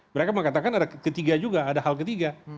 mereka mengatakan ada ketiga juga ada hal ketiga